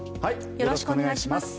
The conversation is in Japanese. よろしくお願いします。